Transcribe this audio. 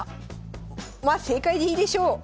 まあ正解でいいでしょう。